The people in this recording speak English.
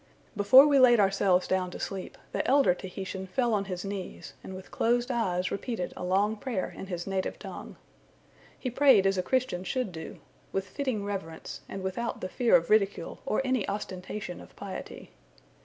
Before we laid ourselves down to sleep, the elder Tahitian fell on his knees, and with closed eyes repeated a long prayer in his native tongue. He prayed as a Christian should do, with fitting reverence, and without the fear of ridicule or any ostentation of piety.